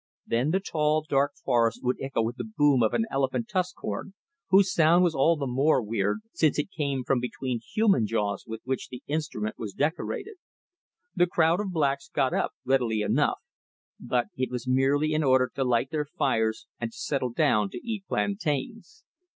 Then the tall, dark forest would echo with the boom of an elephant tusk horn, whose sound was all the more weird since it came from between human jaws with which the instrument was decorated. The crowd of blacks got up readily enough, but it was merely in order to light their fires and to settle down to eat plantains.